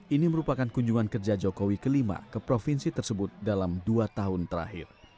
ini merupakan kunjungan kerja jokowi kelima ke provinsi tersebut dalam dua tahun terakhir